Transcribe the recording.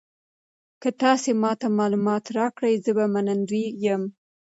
که تاسي ما ته معلومات راکړئ زه به منندوی یم.